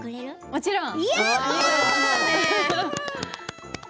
もちろん。